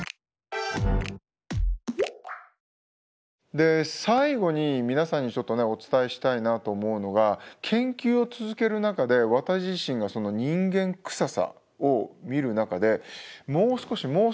で最後に皆さんにちょっとねお伝えしたいなと思うのが研究を続ける中で私自身がその人間くささを見る中でもう少し何でしょうね